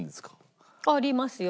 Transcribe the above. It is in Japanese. ありますよ。